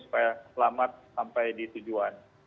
supaya selamat sampai di tujuan